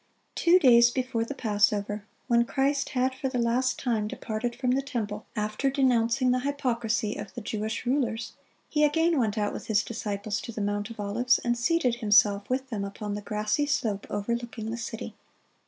Two days before the Passover, when Christ had for the last time departed from the temple, after denouncing the hypocrisy of the Jewish rulers, He again went out with His disciples to the Mount of Olives, and seated Himself with them upon the grassy slope overlooking the city.